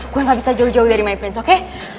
gue ga bisa jauh jauh dari my friends oke